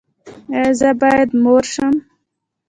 ایا زه باید مور شم؟